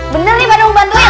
bener nih pada mau bantuin